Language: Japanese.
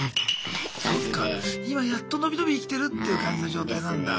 今やっと伸び伸び生きてるっていう感じの状態なんだ。